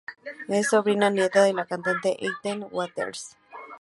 Es sobrina-nieta de la cantante Ethel Waters.